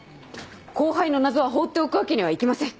後輩の謎は放っておくわけにはいきません。